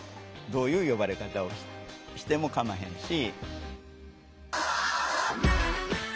どういう呼ばれ方をしてもかまへんし。